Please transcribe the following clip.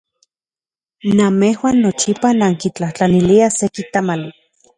Namejuan nochipa nankintlajtlaniliaj seki tamali.